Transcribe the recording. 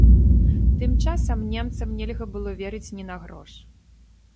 Тым часам немцам нельга было верыць ні на грош.